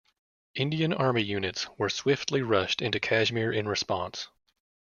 Indian army units were swiftly rushed into Kashmir in response.